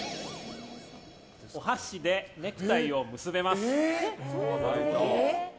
お箸でネクタイを結べます。